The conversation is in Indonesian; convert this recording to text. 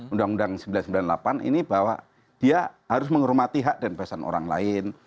undang undang sembilan ratus sembilan puluh delapan ini bahwa dia harus menghormati hak dan pesan orang lain